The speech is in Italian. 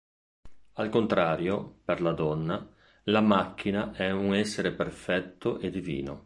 Al contrario, per la donna, La Macchina è un essere perfetto e divino.